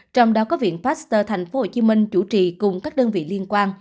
trong đó có viện pasteur tp hcm chủ trì cùng các đơn vị liên quan